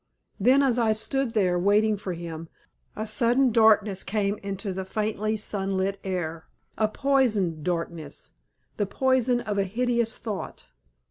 Then, as I stood there waiting for him, a sudden darkness came into the faintly sunlit air, a poisoned darkness the poison of a hideous thought.